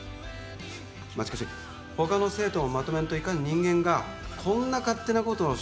まあしかし他の生徒をまとめんといかん人間がこんな勝手なことをしては。